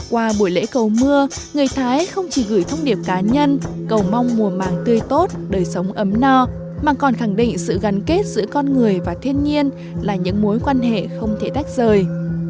qua buổi lễ cầu mưa người thái không chỉ gửi thông điệp cá nhân cầu mong mùa màng tươi tốt đời sống ấm no mà còn khẳng định sự gắn kết giữa con người và thiên nhiên là những mối quan hệ không thể tách rời